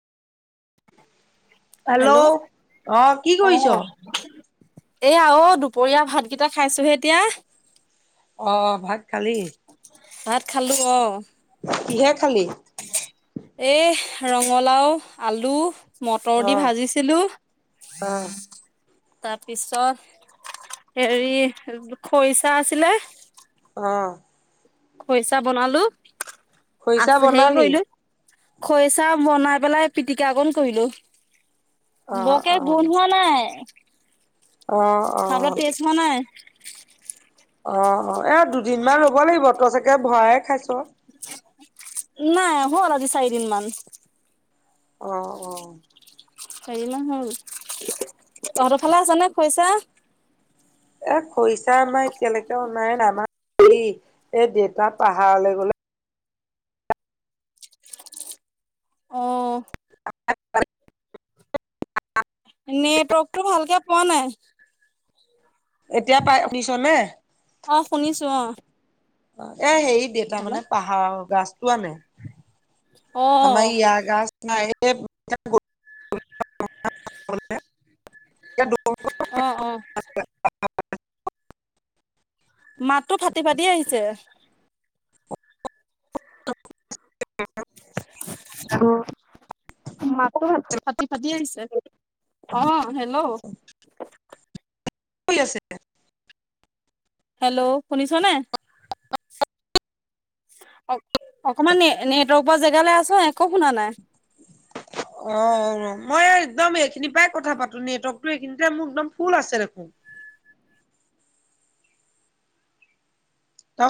Hello অ কি কৰিছ? এইয়া অ' দুপৰীয়া ভাতকেইটা খাইছোহে এতিয়া। অ ভাত খালি? ভাত খালো অ। কিহে খালি? এ ৰঙালাও আলু মট [unintelligible] অ দি ভাজিছিলো। অ তাৰপিছত হেৰি খৰিচা আছিলে। অঁ। খৰিচা বনালো খৰিচা আছে হেৰি বনালি কৰিলো। খৰিচা বনাই পেলাই পিটিকা অকন কৰিলো। অ বৰকে অ গোন্ধোৱা নাই অ অ খাব তেচ হোৱা নাই। অ' অ' এ দুদিনমান ৰ'ব লাগিব তই চাগে ভৰায়ে খাইছ। নাই হ'ল আজি চাৰিদিন মান। অঁ অঁ। হেৰি নহয় তহঁতৰ ফালে আছ নে খৰিছা? এ' খৰিচা আমাৰ এতিয়ালৈকে অনাই নাই, আমাৰ হেৰি এ দেউতা পাহাৰলৈ গ'লে অঁ। [inaudible] নেটৱৰ্কটো ভালকে পোৱা নাই। এতিয়া পায় শুনিছো নে? অ' শুনিছো অ'। এ' হেৰি দেউতা হেল্ল' মানে পাহাৰৰ গাছটো আনে অ আমাৰ ইয়াত। [inaudible] অ অ [inaudible] মাতটো ফাটি- ফাটি আহিছে। [inaudible] [unintelligible] ফাটি ফাটি আহিছে অ হেল্ল' [inaudible] হেল্ল' শুনিছ নে? অকমান নেটৱৰ্ক পোৱা জেগালৈ আহ চোন একো শুনা নাই। [inaudible] অ' মই একদম এইখিনি পৰাই কথা পাতো, নেটৱৰ্কতো এইখিনিতে মোৰ একদম ফুল আছে দেখোন।